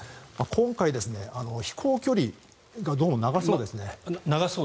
今回、飛行距離がどうも長そうですね。